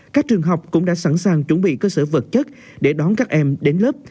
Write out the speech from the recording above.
các trường học cũng đã sẵn sàng chuẩn bị cơ sở vật chất để đón các em đến lớp